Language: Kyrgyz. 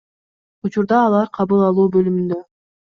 Учурда алар кабыл алуу бөлүмүндө.